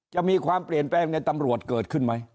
จะมีความเปลี่ยนแปลงในตำรวจเกิดขึ้นไหม